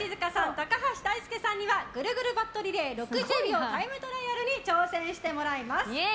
高橋大輔さんにはぐるぐるバットリレー６０秒タイムトライアルに挑戦してもらいます。